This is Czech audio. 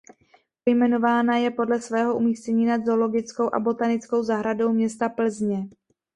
Pojmenována je podle svého umístění nad Zoologickou a botanickou zahradou města Plzně.